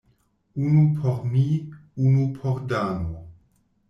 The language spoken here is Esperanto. Unu por mi, unu por Dano.